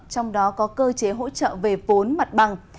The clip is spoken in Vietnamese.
trong đó có cơ chế hỗ trợ về vốn mặt bằng